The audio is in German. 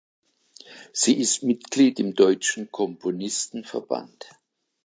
Sie ist Mitglied im Deutschen Komponistenverband.